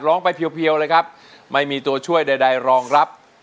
ร้องไปเพียวเลยครับไม่มีตัวช่วยใดรองรับ